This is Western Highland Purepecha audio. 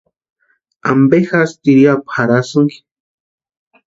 ¿Ampe jásï tiriapu jarhasïnki?